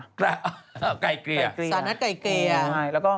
สถานทนัดไก่เกลียสถานทนัดไก่เกลีย